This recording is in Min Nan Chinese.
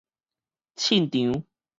凊場